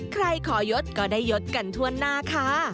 ใครขอยดก็ได้ยดกันทั่วหน้าค่ะ